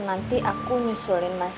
nanti aku nyusulin mas